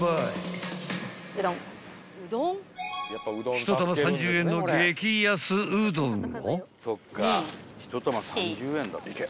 ［１玉３０円の激安うどんを］